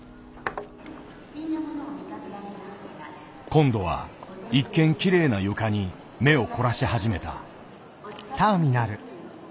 今度は一見きれいな床に目を凝らし始めた。